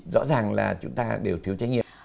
rõ ràng là chúng ta đều thiếu trách nhiệm